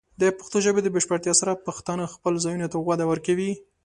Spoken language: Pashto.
د پښتو ژبې د بشپړتیا سره، پښتانه خپلو ځایونو ته وده ورکوي.